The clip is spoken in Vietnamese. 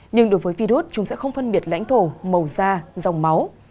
nhưng đối với virus chúng sẽ không phân biệt lãnh thổ màu da dòng máu